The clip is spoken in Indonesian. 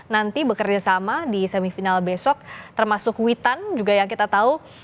nanti bekerjasama di semifinal besok termasuk witan juga yang kita tahu